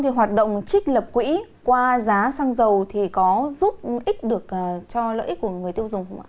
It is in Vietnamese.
thì hoạt động trích lập quỹ qua giá xăng dầu thì có giúp ích được cho lợi ích của người tiêu dùng không ạ